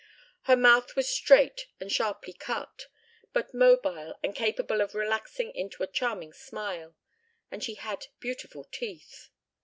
Her mouth was straight and sharply cut, but mobile and capable of relaxing into a charming smile, and she had beautiful teeth.